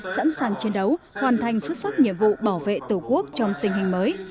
sẵn sàng chiến đấu hoàn thành xuất sắc nhiệm vụ bảo vệ tổ quốc trong tình hình mới